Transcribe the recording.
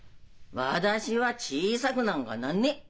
私は小さくなんかなんねえ！